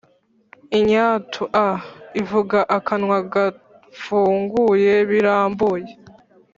Inyatu(a), ivuga akanwa gafunguye birambuye.